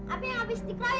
apa yang habis dikeloyok nih